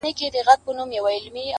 گاهي ادې لاندي، گاهي بابا.